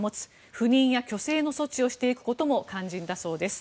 不妊や去勢の措置をしていくことも肝心だそうです。